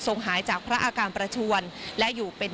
ทรงหายจากพระอาการประชวน